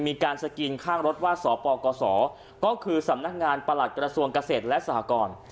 มีการสกินข้างรถว่าสปกศก็คือสำนักงานประหลัดกระทรวงเกษตรและสหกร